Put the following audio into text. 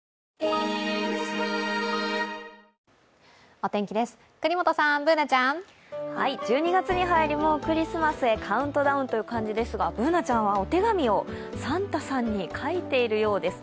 お天気です、國本さんＢｏｏｎａちゃん。１２月に入り、もうクリスマスへカウントダウンという感じですがＢｏｏｎａちゃんは、お手紙をサンタさんに書いているようです。